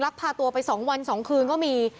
พาตัวไป๒วัน๒คืนก็มี